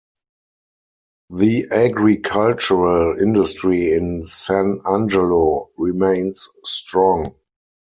The agricultural industry in San Angelo remains strong.